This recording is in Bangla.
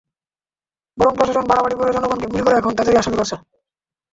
বরং প্রশাসন বাড়াবাড়ি করে জনগণকে গুলি করে এখন তাদেরই আসামি করছে।